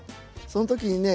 その時にね